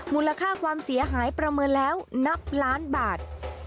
มูลค่าความเสียหายประเมินแล้วนับล้านบาท